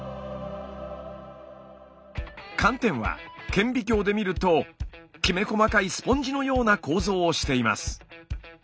寒天は顕微鏡で見るときめ細かいスポンジのような構造をしています。